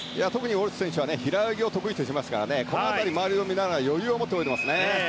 ウォルシュ選手は平泳ぎを得意としますからこの辺り、周りを見ながら余裕を持って泳いでいます。